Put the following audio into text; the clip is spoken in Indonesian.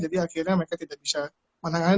jadi akhirnya mereka tidak bisa menangani